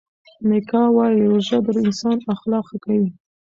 میکا وايي روژه د انسان اخلاق ښه کوي.